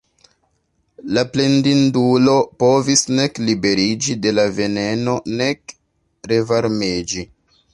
La plendindulo povis nek liberiĝi de la veneno nek revarmiĝi.